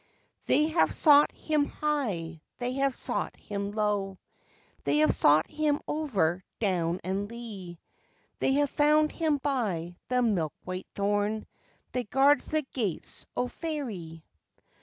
They have sought him high, they have sought him low, They have sought him over down and lea; They have found him by the milk white thorn That guards the gates o' Faerie.